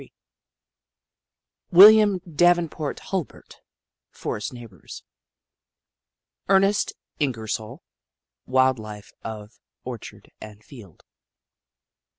William Davenport Hulbert : Forest Neighbours. Ernest Ingersoll : Wild Life of Orchard and Field.